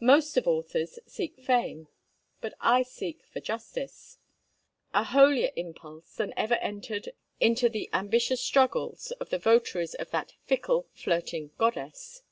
Most of authors seek fame, but I seek for justice, a holier impulse than ever entered into the ambitious struggles of the votaries of that fickle, flirting goddess.